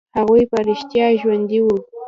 هغوى په رښتيا ژوندي وو.